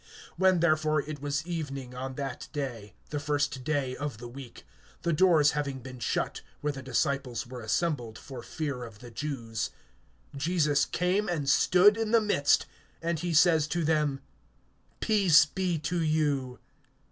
(19)When therefore it was evening on that day, the first day of the week, the doors having been shut, where the disciples were assembled, for fear of the Jews, Jesus came and stood in the midst; and he says to them: Peace be to you.